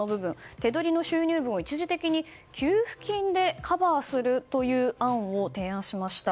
手取りの収入分を一時的に給付金でカバーするという案を提案しました。